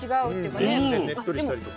でねっとりしたりとか。